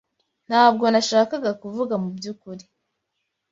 Ntabwo nashakaga kuvuga mubyukuri.